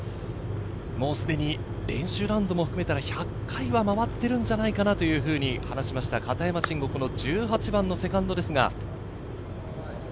もうすでに練習ラウンドも含めたら１００回は回っているんじゃないかなというふうに話しました片山晋呉、１８番のセカンドです。